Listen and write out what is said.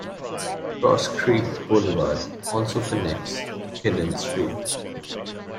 Cross Creek Boulevard also connects to Kinnan Street.